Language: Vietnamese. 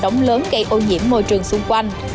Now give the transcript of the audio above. đống lớn gây ô nhiễm môi trường xung quanh